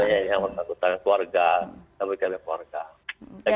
ya yang bersangkutan keluarga kita berikan kepada keluarga